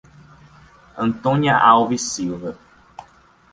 Antônia Alves Silva